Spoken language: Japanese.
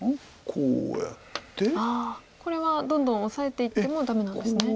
これはどんどんオサえていってもダメなんですね。